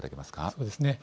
そうですね。